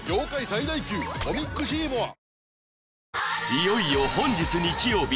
いよいよ本日日曜日